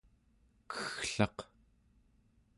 kegglaq